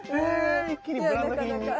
一気にブランド品に。